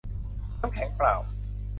น้ำแข็งเปล่า